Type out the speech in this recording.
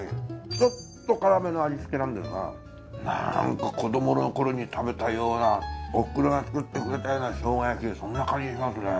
ちょっと辛めの味付けなんですがなんか子どもの頃に食べたようなおふくろが作ってくれたような生姜焼きそんな感じしますね。